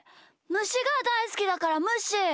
むしがだいすきだからむっしー！